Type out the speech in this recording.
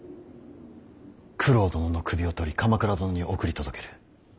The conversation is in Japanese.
九郎殿の首を取り鎌倉殿に送り届ける。